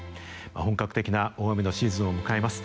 本格的な大雨のシーズンを迎えます。